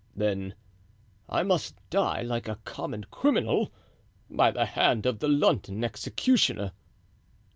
"Then I must die like a common criminal by the hand of the London executioner?"